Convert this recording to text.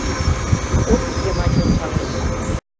Упш йымач ончалеш